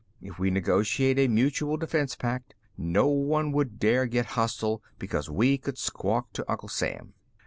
If we negotiate a mutual defense pact, no one would dare get hostile because we could squawk to Uncle Sam."